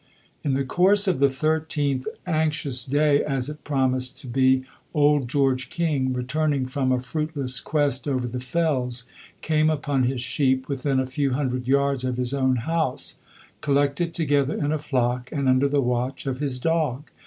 In the course of the 13th, anxious day as it promised to be, old George King, returning from a fruitless quest over the fells, came upon his sheep within a few hundred yards of his own house, collected together in a flock and under the watch of his dog.